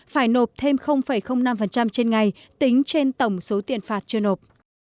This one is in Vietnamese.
phải nộp thêm năm trên ngày tính trên tổng số tiền phạt chưa nộp